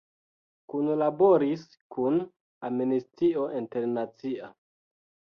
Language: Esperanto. Kunlaboris kun Amnestio Internacia.